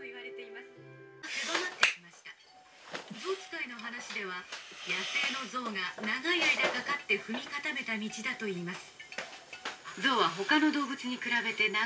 「ゾウ使いの話では野生のゾウが長い間かかって踏み固めた道だといいます」。